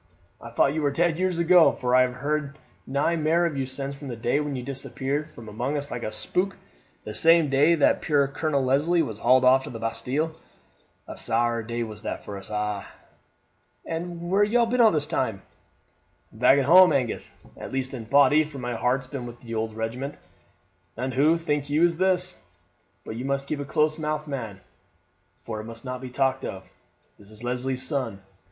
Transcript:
I thought you were dead years ago, for I have heard nae mair of you since the day when you disappeared from among us like a spook, the same day that puir Colonel Leslie was hauled off to the Bastille. A sair day was that for us a'! And where ha' ye been all the time?" "Back at home, Angus, at least in body, for my heart's been with the old regiment. And who, think you, is this? But you must keep a close mouth, man, for it must nor be talked of. This is Leslie's son.